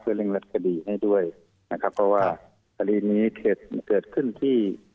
เพื่อเล็งรับคดีให้ด้วยนะครับเพราะว่าการีนี้เกิดขึ้นที่